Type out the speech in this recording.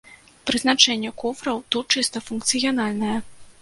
Прызначэнне куфраў тут чыста функцыянальнае.